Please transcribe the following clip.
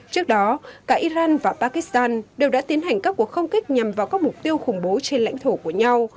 trước đó cả iran và pakistan đều đã tiến hành các cuộc không kích nhằm vào các mục tiêu khủng bố trên lãnh thổ của nhau